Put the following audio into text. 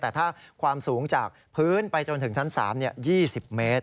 แต่ถ้าความสูงจากพื้นไปจนถึงชั้น๓๒๐เมตร